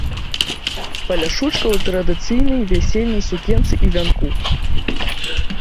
Паляшучка ў традыцыйнай вясельнай сукенцы і вянку.